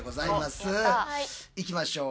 いきましょう。